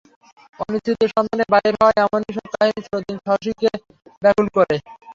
অনিশ্চিতের সন্ধানে বাহির হওয়ার এমনি সব কাহিনী চিরদিন শশীকে ব্যাকুল করে।